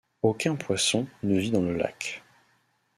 Aucun poisson ne vit dans le lac.